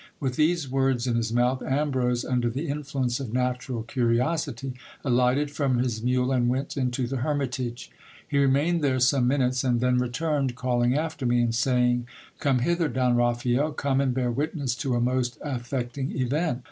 With these words in his mouth, Ambrose, under the influence of natural curiosity, alighted from his mule, and went into the hermitage. He remained there some minutes, and then returned, calling after me, and saying, Come hither, Don Raphael, come and bear witness to a most affecting event.